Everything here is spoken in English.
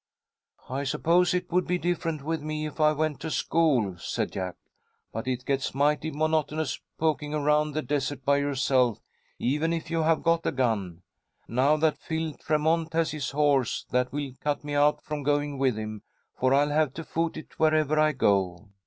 "I suppose it would be different with me if I went to school," said Jack. "But it gets mighty monotonous poking around the desert by yourself, even if you have got a gun. Now that Phil Tremont has his horse, that will cut me out from going with him, for I'll have to foot it wherever I go."